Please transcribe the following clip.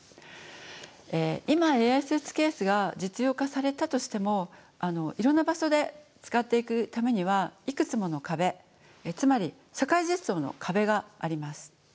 今ＡＩスーツケースが実用化されたとしてもいろんな場所で使っていくためにはいくつもの壁つまり社会実装の壁があります。